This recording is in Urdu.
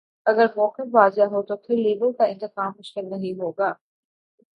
اگر موقف واضح ہو تو پھر لیڈر کا انتخاب مشکل نہیں ہو گا۔